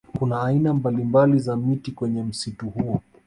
Kuna aina mbalimbali za miti kwenye msitu huo